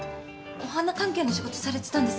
お花関係の仕事されてたんですか？